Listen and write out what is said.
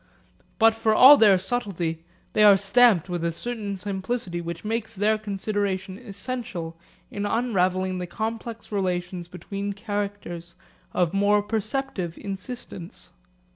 But for all their subtlety they are stamped with a certain simplicity which makes their consideration essential in unravelling the complex relations between characters of more perceptive insistence.